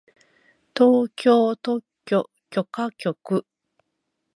東京特許許可局